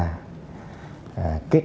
kết hợp với quá trình